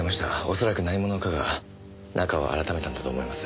恐らく何者かが中をあらためたんだと思います。